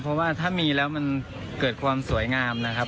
เพราะว่าถ้ามีแล้วมันเกิดความสวยงามนะครับ